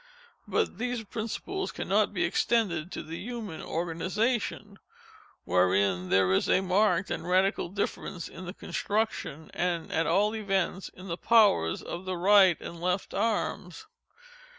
But these principles cannot be extended to the human organization, wherein there is a marked and radical difference in the construction, and, at all events, in the powers, of the right and left arms.